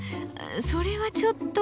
それはちょっと。